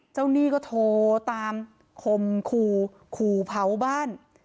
หนี้ก็โทรตามคมขู่ขู่เผาบ้าน